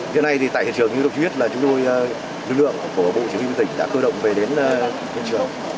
hiện nay tại hiện trường như đồng chí biết là chúng tôi lực lượng của bộ chủ tịch đã cơ động về đến hiện trường